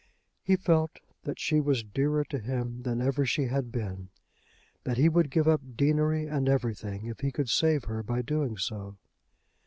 He felt that she was dearer to him than ever she had been, that he would give up deanery and everything if he could save her by doing so.